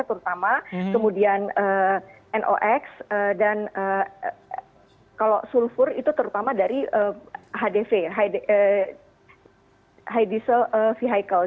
terutama kemudian nox dan kalau sulfur itu terutama dari hdv diesel vehicle